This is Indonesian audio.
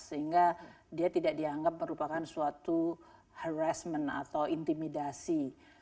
sehingga dia tidak dianggap merupakan suatu harassment atau intimidasi